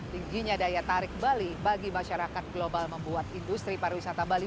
tingginya daya tarik bali bagi masyarakat global membuat industri pariwisata bali